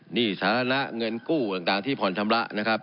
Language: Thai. หนี้สาธารณะเงินกู้ต่างที่ผ่อนชำระนะครับ